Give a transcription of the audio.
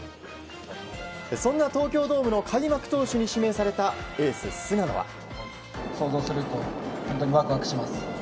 そんな東京ドームの開幕投手に指名されたエース、菅野は。